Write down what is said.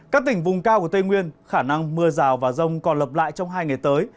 các tỉnh vùng cao của tây nguyên khả năng mưa rào và rông còn lập lại trong hai ngày tới